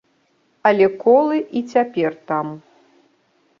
Але колы і цяпер там.